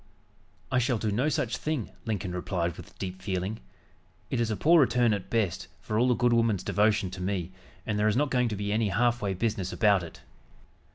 "I shall do no such thing," Lincoln replied with deep feeling. "It is a poor return, at best, for all the good woman's devotion to me, and there is not going to be any half way business about it."